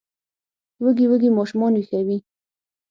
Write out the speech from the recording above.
وږي وږي ماشومان ویښوي